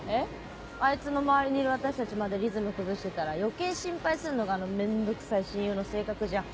あいつの周りにいる私たちまでリズム崩してたら余計心配すんのがあの面倒くさい親友の性格じゃん。